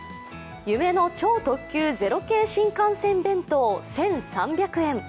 夢の超特急０系新幹線弁当１３００円。